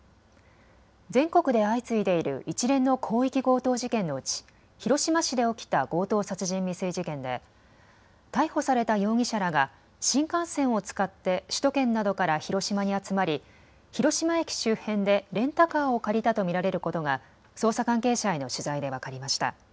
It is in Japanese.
全国で相次いでいる一連の広域強盗事件のうち、広島市で起きた強盗殺人未遂事件で逮捕された容疑者らが新幹線を使って首都圏などから広島に集まり広島駅周辺でレンタカーを借りたと見られることが捜査関係者への取材で分かりました。